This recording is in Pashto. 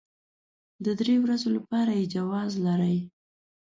د درې ورځو لپاره يې جواز لري.